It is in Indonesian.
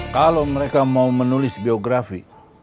kalau mereka mau menulis biografi